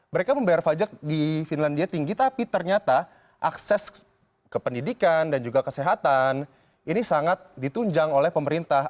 mereka membayar pajak di finlandia tinggi tapi ternyata akses ke pendidikan dan juga kesehatan ini sangat ditunjang oleh pemerintah